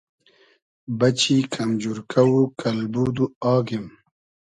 بئچی کئم جورکۂ و کئلبود و آگیم